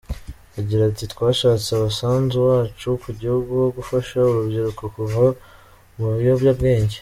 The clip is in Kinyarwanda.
Agira ati “Twashatse umusanzu wacu ku gihugu wo gufasha urubyiruko kuva mu biyobyabwenge.